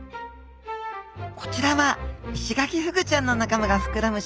こちらはイシガキフグちゃんの仲間が膨らむ